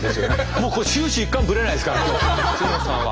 もうこれ終始一貫ぶれないですから杉本さんは。